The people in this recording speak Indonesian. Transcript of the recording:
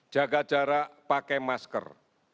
jaga jarak pakai masker